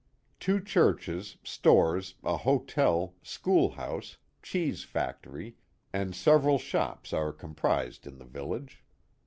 Two churches, stores, a hotel, schoolhouse. cheese factory, and several shops are comprised in the village.